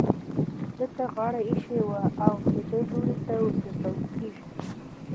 ده ته غاړه ايښې او د ده لوري ته ورگرځول كېږي.